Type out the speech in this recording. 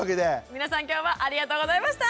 皆さん今日はありがとうございました。